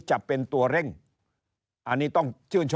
จับเป็นตัวเร่ง